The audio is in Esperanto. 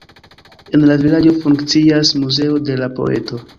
En la vilaĝo funkcias muzeo de la poeto.